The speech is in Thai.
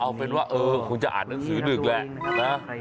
เอาเป็นว่าเออคงจะอ่านหนังสือดึกแหละนะ